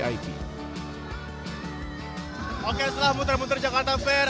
oke setelah muter muter jakarta fair